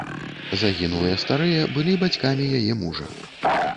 Загінулыя старыя былі бацькамі яе мужа.